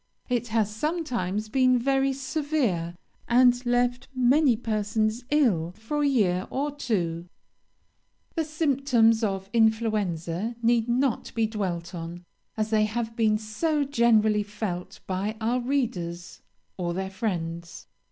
It has sometimes been very severe, and left many persons ill for a year or two. "The symptoms of influenza need not be dwelt on, as they have been so generally felt by our readers or their friends.